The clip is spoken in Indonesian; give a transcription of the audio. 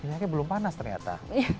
minyaknya belum panas ternyata